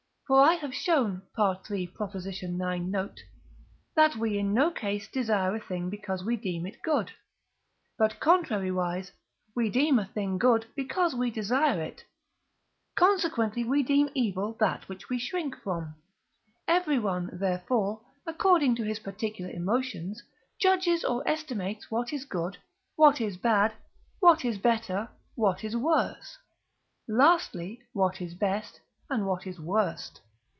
For I have shown (III. ix. note) that we in no case desire a thing because we deem it good, but, contrariwise, we deem a thing good because we desire it: consequently we deem evil that which we shrink from; everyone, therefore, according to his particular emotions, judges or estimates what is good, what is bad, what is better, what is worse, lastly, what is best, and what is worst.